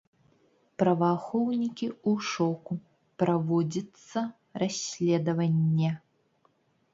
Праваахоўнікі ў шоку, праводзіцца расследаванне.